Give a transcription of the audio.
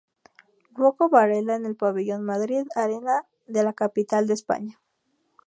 Rouco Varela en el pabellón Madrid Arena de la capital de España.